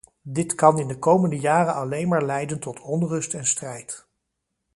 Dit kan in de komende jaren alleen maar leiden tot onrust en strijd.